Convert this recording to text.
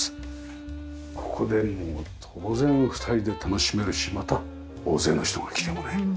ここでもう当然２人で楽しめるしまた大勢の人が来てもね対応できますよね。